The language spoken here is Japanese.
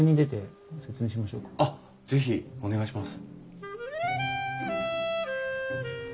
あっ是非お願いします。